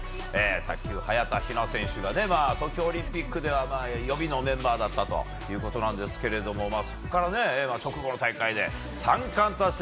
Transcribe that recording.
卓球、早田ひな選手が東京オリンピックでは予備のメンバーだったということなんですけれどもそこから直後の大会で３冠達成。